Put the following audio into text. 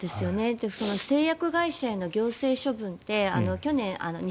製薬会社への行政処分って去年、２０２１年